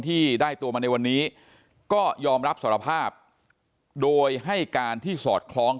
ที่ได้ตัวมาในวันนี้ก็ยอมรับสารภาพโดยให้การที่สอดคล้อง